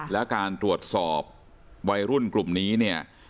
แล้วการตรวจสอบวัยรุ่นกลุ่มนี้เนี่ย